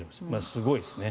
すごいですね。